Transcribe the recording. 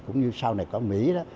cũng như sau này có mỹ đó